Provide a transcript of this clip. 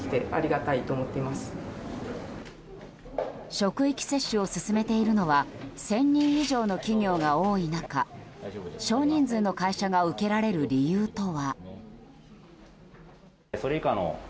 職域接種を進めているのは１０００人以上の企業が多い中少人数の会社が受けられる理由とは。